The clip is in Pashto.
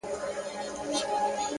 o غواړم چي ديدن د ښكلو وكړمـــه،